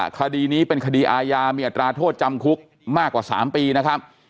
คดีนี้เป็นคดีอาญามีอัตราโทษจำคุกมากกว่า๓ปีนะครับ